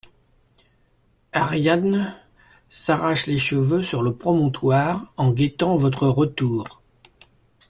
Ariadne s'arrache les cheveux sur le promontoire en guettant votre retour.